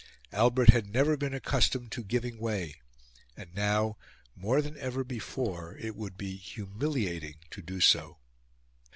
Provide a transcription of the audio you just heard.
Albert had never been accustomed to giving way; and now, more than ever before, it would be humiliating to do so.